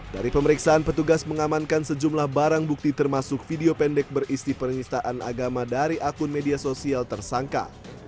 dari pemeriksaan petugas mengamankan sejumlah barang bukti termasuk video pendek berisi peristaan agama dari akun media sosial tersangka